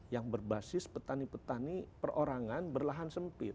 yang berbasis petani petani perorangan berlahan sempit